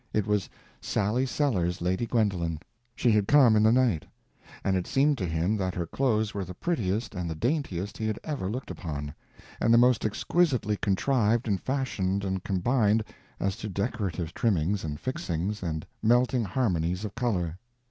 It was Sally Sellers Lady Gwendolen; she had come in the night. And it seemed to him that her clothes were the prettiest and the daintiest he had ever looked upon, and the most exquisitely contrived and fashioned and combined, as to decorative trimmings, and fixings, and melting harmonies of color.